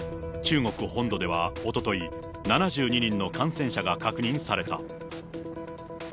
中国本土ではおととい、７２人の感染者が確認された。